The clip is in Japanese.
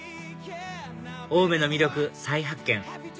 青梅の魅力再発見